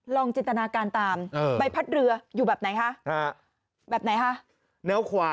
ลองจินตนาการตามใบพัดเรืออยู่แบบไหนคะ